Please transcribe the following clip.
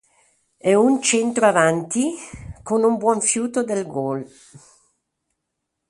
È un centravanti con un buon fiuto del gol.